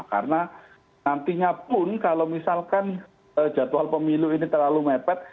karena nantinya pun kalau misalkan jadwal pemilu ini terlalu mepet